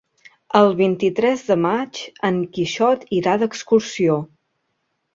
El vint-i-tres de maig en Quixot irà d'excursió.